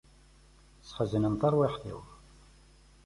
Sseḥzanen tarwiḥt-iw.